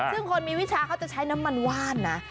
ซึ่งคนมีวิชาเขาจะใช้น้ำมันว่านนะ